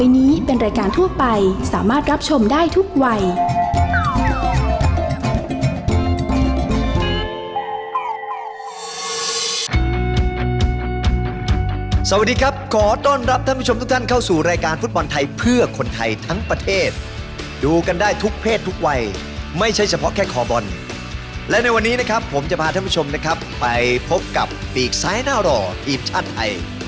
สวัสดีครับขอต้อนรับท่านผู้ชมทุกท่านเข้าสู่รายการฟุตบอลไทยเพื่อคนไทยทั้งประเทศดูกันได้ทุกเพศทุกวัยไม่ใช่เฉพาะแค่คอบอลและในวันนี้นะครับผมจะพาท่านผู้ชมนะครับไปพบกับปีกซ้ายหน้าหล่อทีมชาติไทย